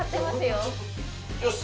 よし！